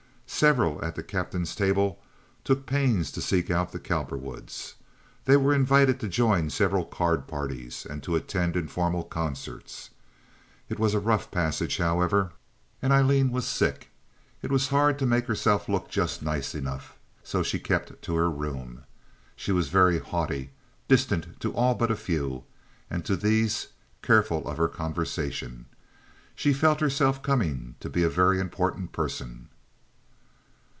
Several at the captain's table took pains to seek out the Cowperwoods. They were invited to join several card parties and to attend informal concerts. It was a rough passage, however, and Aileen was sick. It was hard to make herself look just nice enough, and so she kept to her room. She was very haughty, distant to all but a few, and to these careful of her conversation. She felt herself coming to be a very important person.